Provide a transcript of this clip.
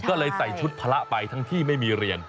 ก็เลยใส่ชุดพระไปทั้งที่ไม่มีเรียน